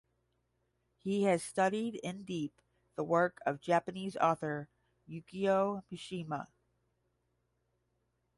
He has studied in deep the work of Japanese author Yukio Mishima.